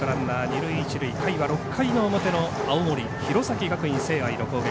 回は６回の表の青森、弘前学院聖愛の攻撃。